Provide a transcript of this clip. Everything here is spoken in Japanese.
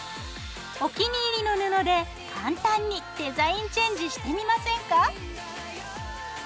お気に入りの布で簡単にデザインチェンジしてみませんか？